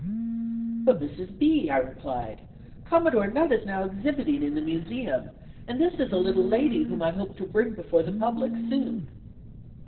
"But, Mrs. B.," I replied, "Commodore Nutt is now exhibiting in the Museum, and this is a little lady whom I hope to bring before the public soon."